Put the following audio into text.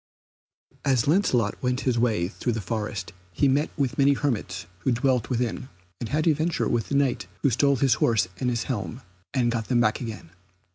As Lancelot went his way through the forest he met with many hermits who dwelled therein, and had adventure with the Knight who stole his horse and his helm, and got them back again.